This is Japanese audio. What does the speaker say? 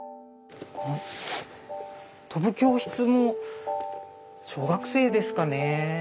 「飛ぶ教室」も小学生ですかね